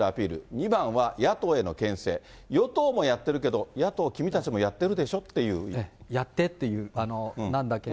２番は野党への管制、与党もやってるけど、野党、君たちもやってやってっていうんだけど。